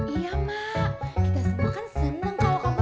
iya mak kita semua kan seneng kalau kamu